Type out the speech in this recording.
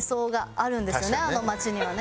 あの街にはね。